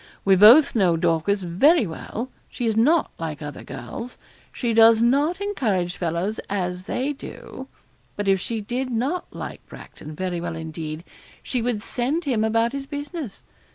We both know Dorcas very well; she is not like other girls. She does not encourage fellows as they do; but if she did not like Bracton very well indeed, she would send him about his business.